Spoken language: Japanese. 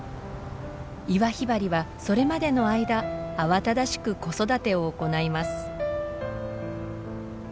イワヒバリはそれまでの間慌ただしく子育てを行います。